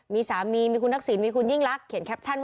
มีสามีมีคุณศักดิ์สินมีคุณยิ่งลักษณ์